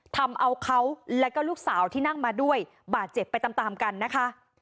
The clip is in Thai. ทำเอาเขาแล้วก็ลูกสาวที่นั่งมาด้วยบาดเจ็บไปตามตามกันนะคะ